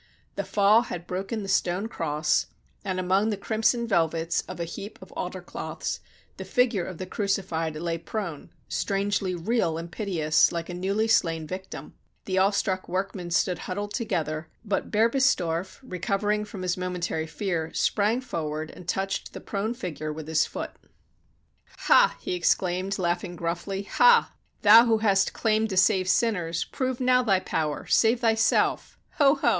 The fall had broken the stone cross, and, among the crimson velvets of a heap of altar cloths, the Figure of the Crucified lay prone, strangely real and piteous like a newly slain vic tim. The awestruck workmen stood huddled together, but Berbistorf, recovering from his momentary fear, sprang forward and touched the prone Figure with his foot. 292 THE DEVASTATION OF ST. VITUS'S CHURCH "Ha!" he exclaimed, laughing gruffly. "Ha! Thou who hast claimed to save sinners, prove now Thy power, save Thyself! Ho, ho!